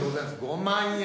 ５万円。